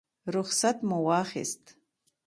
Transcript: رخصت مو واخیست.